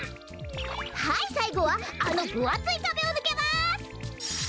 はいさいごはあのぶあついかべをぬけます。